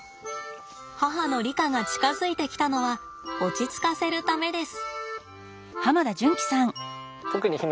母のリカが近づいてきたのは落ち着かせるためです。